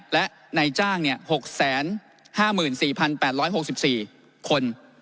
และในจ้าง๖๕๔๘๖๔คน